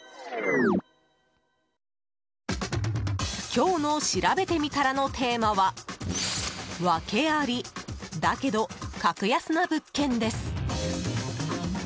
今日のしらべてみたらのテーマはワケあり、だけど格安な物件です。